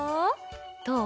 どう？